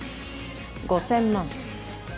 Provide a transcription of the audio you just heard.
５０００万